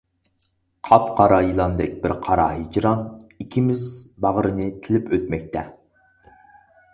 قاپقارا يىلاندەك بىر قارا ھىجران، ئىككىمىز باغرىنى تىلىپ ئۆتمەكتە.